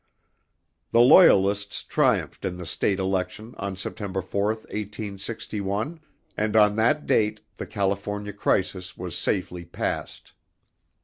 The loyalists triumphed in the state election on September 4, 1861, and on that date the California crisis was safely passed.